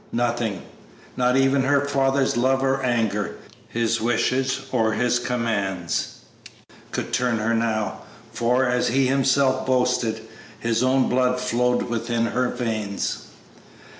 Nothing not even her father's love or anger, his wishes or his commands could turn her now, for, as he himself boasted, his own blood flowed within her veins.